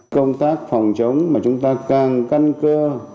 công tác phòng chống mà chúng ta càng căn cơ